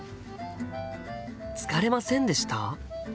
「疲れませんでした？」。